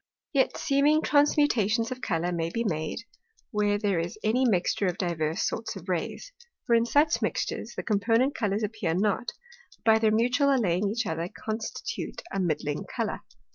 Yet seeming Transmutations of Colours may be made, where there is any mixture of divers sorts of Rays. For in such mixtures, the component Colours appear not, but by their mutual allaying each other, constitute a midling Colour.